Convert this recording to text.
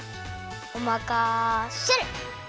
おまかシェル！